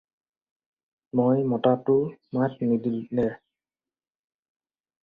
মই মতাতো মাত নিদিলে।